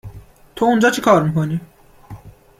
تو اونجا چیکار میکنی؟